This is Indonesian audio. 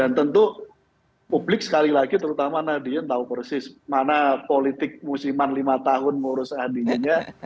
dan tentu publik sekali lagi terutama nadin tahu persis mana politik musiman lima tahun mengurus nadin nya